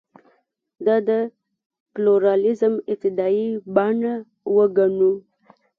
دا د پلورالېزم ابتدايي بڼه وګڼو.